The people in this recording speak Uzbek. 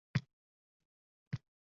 Sottirib oladi molin.